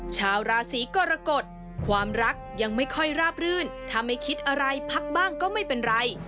ชาวราศีกรกฎความรักยังไม่ค่อยราบรื่นถ้าไม่คิดอะไรพักบ้างก็ไม่เป็นไร